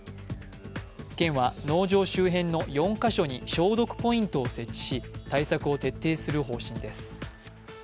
県は農場周辺の４か所に消毒ポイントを設置し対策を徹底する方針です。